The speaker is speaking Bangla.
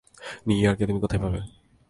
নিউইয়র্কে তুমি কোথায় পাবে?